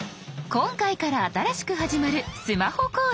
今回から新しく始まるスマホ講座。